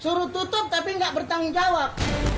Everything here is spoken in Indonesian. suruh tutup tapi nggak bertanggung jawab